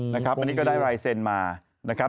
พี่ดาบกงยูก็รายเซ็นต์มา